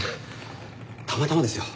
たまたまですよ。